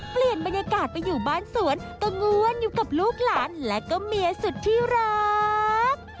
เปลี่ยนบรรยากาศไปอยู่บ้านสวนก็ง้วนอยู่กับลูกหลานและก็เมียสุดที่รัก